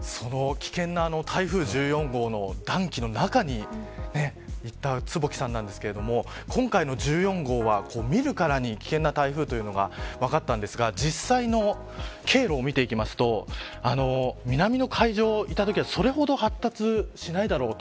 その危険な台風１４号の暖気の中に行った坪木さんなんですが今回の１４号は見るからに危険な台風というのが分かったんですが実際の経路を見ていきますと南の海上にいたときはそれほど発達しないだろうと。